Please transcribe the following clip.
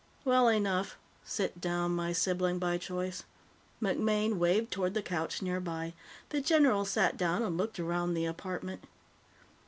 "Well enough. Sit down, my sibling by choice." MacMaine waved toward the couch nearby. The general sat down and looked around the apartment.